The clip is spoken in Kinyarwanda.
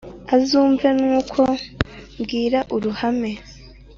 Azumve n’uko mbwira uruhame